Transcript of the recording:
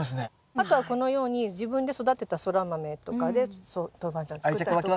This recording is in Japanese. あとはこのように自分で育てたソラマメとかでトウバンジャン作ったりとか。